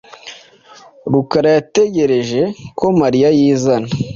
Rukara yategereje ko Mariyana yizana